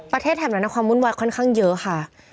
ประเทศแถบนั้นอ่ะความวุ่นวายค่อนข้างเยอะค่ะ